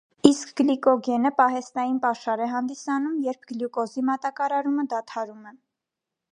Իսկ գլիկոգենը «պահեստային պաշար» է հանդիսանում, երբ գլյուկոզի մատակարարումը դադարում է։